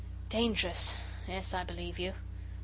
Dangerous? Yes, I believe you.